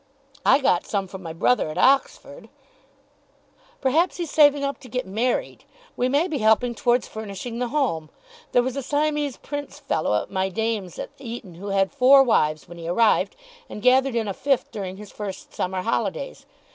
"I got some from my brother at Oxford." "Perhaps he's saving up to get married. We may be helping towards furnishing the home. There was a Siamese prince fellow at my dame's at Eton who had four wives when he arrived, and gathered in a fifth during his first summer holidays.